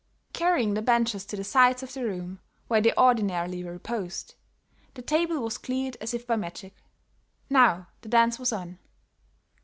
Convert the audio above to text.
Carrying the benches to the sides of the room, where they ordinarily reposed, the table was cleared as if by magic. Now the dance was on.